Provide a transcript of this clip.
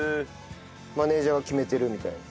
マネジャーが決めてるみたいな。